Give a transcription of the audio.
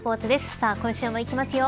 さあ、今週もいきますよ